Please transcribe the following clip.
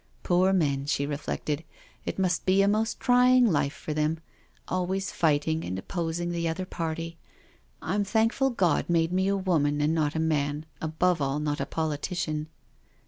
" Poor men/' she reflected, " it must be a most trying life for them, always fighting and opposing the other party — I'm thankful God made me a woman and not a man, above all not a politician."